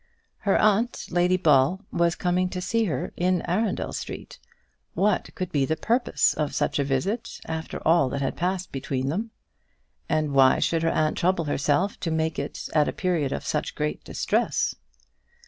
Her aunt, Lady Ball, was coming to see her in Arundel Street! What could be the purpose of such a visit after all that had passed between them? And why should her aunt trouble herself to make it at a period of such great distress?